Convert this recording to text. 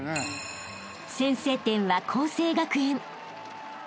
［先制点は佼成学園］